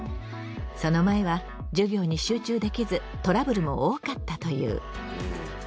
その前は授業に集中できずトラブルも多かったという。